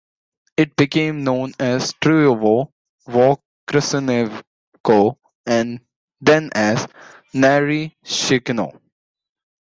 It became known as Truyovo-Voskresenskoe and then as Naryshkino.